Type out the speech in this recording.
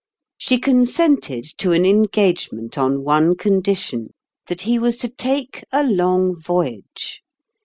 She consented to an engagement on one condition, that he was to take a long voyage.